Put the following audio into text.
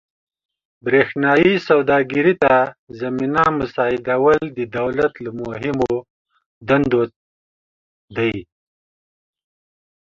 برېښنايي سوداګرۍ ته زمینه مساعدول د دولت له مهمو دندو دي.